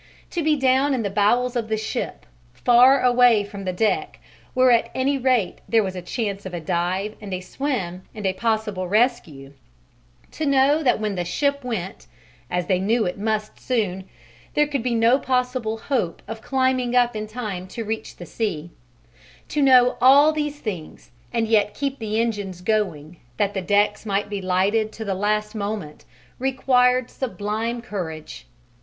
To be down in the bowels of the ship, far away from the deck where at any rate there was a chance of a dive and a swim and a possible rescue; to know that when the ship went as they knew it must soon there could be no possible hope of climbing up in time to reach the sea; to know all these things and yet to keep the engines going that the decks might be lighted to the last moment, required sublime courage.